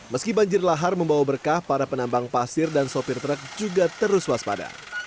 meski banjir lahar membawa berkah para penambang pasir dan sopir truk juga terus waspada